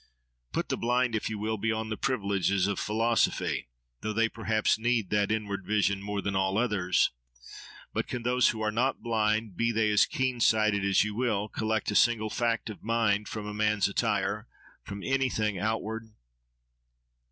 Put the blind, if you will, beyond the privileges of philosophy; though they perhaps need that inward vision more than all others. But can those who are not blind, be they as keen sighted as you will, collect a single fact of mind from a man's attire, from anything outward?